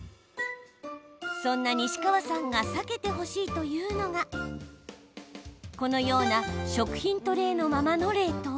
そんな西川さんが避けてほしいというのがこのような食品トレーのままの冷凍。